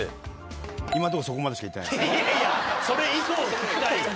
いやいやそれ以降を聞きたい。